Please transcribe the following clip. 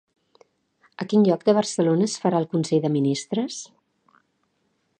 A quin lloc de Barcelona es farà el consell de ministres?